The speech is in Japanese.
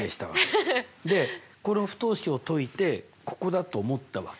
でこの不等式を解いてここだと思ったわけ。